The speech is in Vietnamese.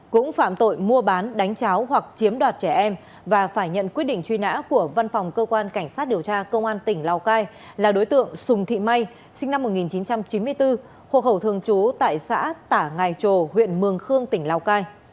cũng phạm tội mua bán đánh cháo hoặc chiếm đoạt trẻ em và phải nhận quyết định truy nã của văn phòng cơ quan cảnh sát điều tra công an tỉnh lào cai là đối tượng sùng thị may sinh năm một nghìn chín trăm chín mươi bốn hộ khẩu thường trú tại xã tả ngài trồ huyện mường khương tỉnh lào cai